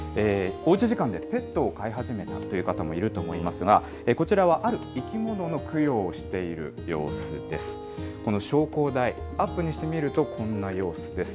おうち時間でペットを飼い始めたという方もいると思いますが、こちらはある生き物の供養をしている様子です。